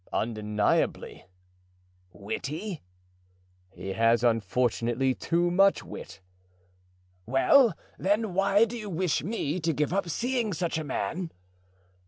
"Undeniably." "Witty?" "He has, unfortunately, too much wit." "Well, then, why do you wish me to give up seeing such a man?"